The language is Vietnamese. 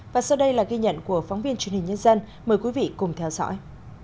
và sau đây là ghi nhận của phóng viên truyền hình nhân dân mời quý vị cùng theo dõi